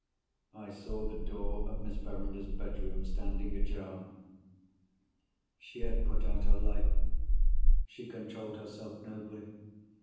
I saw the door of Miss Verinder's bedroom, standing ajar. She had put out her light. She controlled herself nobly.